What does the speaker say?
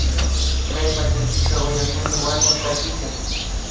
Kay pachapika uyakuni huyano takita